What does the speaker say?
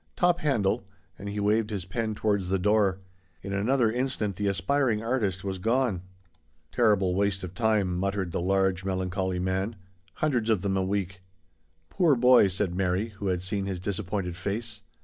Top handle," and he waved his pen towards the door. In another instant the aspiring young artist was gone. "Terrible waste of time," muttered the large, melancholy man. " Hundreds of them a week." " Poor boy," said Mary, who had seen his disappointed face.